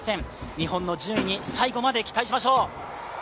日本の順位に最後まで期待しましょう。